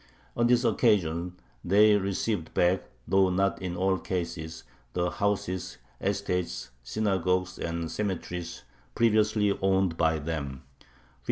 On this occasion they received back, though not in all cases, the houses, estates, synagogues, and cemeteries previously owned by them (1503).